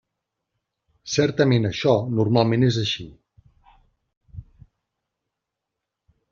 Certament això normalment és així.